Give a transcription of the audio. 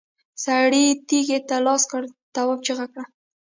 سړي تېږې ته لاس کړ، تواب چيغه کړه!